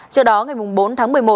trước đó ngày bốn tháng một mươi một